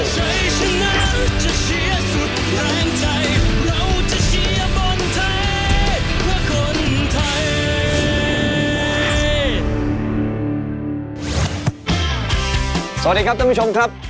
สวัสดีครับท่านผู้ชมครับ